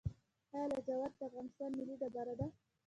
آیا لاجورد د افغانستان ملي ډبره ده؟